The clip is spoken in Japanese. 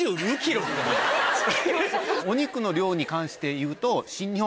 お肉の量に関していうと。